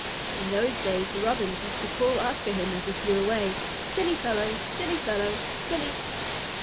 In those days the Robins used to call after him as he flew away, "Silly fellow! Silly fellow! Silly!"